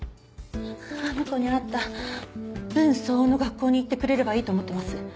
あの子に合った分相応の学校に行ってくれればいいと思ってます。